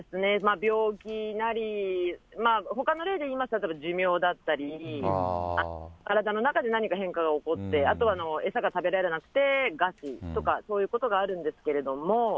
病気なり、ほかの例で言いましたら寿命だったり、体の中で何か変化が起こって、あとは餌が食べられなくて餓死とか、そういうことがあるんですけれども。